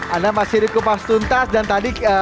anda masih di kupas tuntas dan tadi